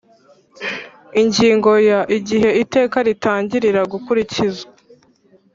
Ingingo ya igihe iteka ritangirira gukurikizwa